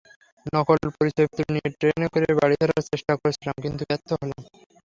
নকল পরিচয়পত্র নিয়ে ট্রেনে করে বাড়ি ফেরার চেষ্টা করেছিলাম, কিন্তু ব্যর্থ হলাম।